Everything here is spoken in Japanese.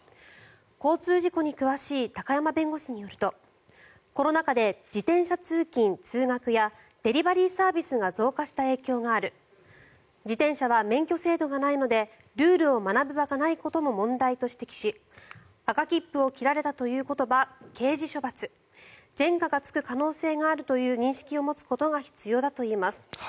交通事故に詳しい高山弁護士によるとコロナ禍で自転車通勤・通学やデリバリーサービスが増加した影響がある自転車は免許制度がないのでルールを学ぶ場がないことも問題と指摘し赤切符を切られたということは刑事処罰前科がつく可能性があるという認識を持つことが必要だといいます。